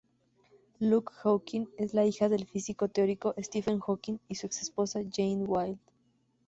Lucy Hawking es hija del físico teórico Stephen Hawking y su exesposa Jane Wilde.